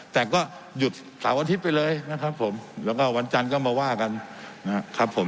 แต่ก็หยุดเสาร์อาทิตย์ไปเลยนะครับผมแล้วก็วันจันทร์ก็มาว่ากันนะครับผม